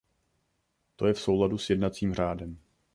To je v souladu s jednacím řádem.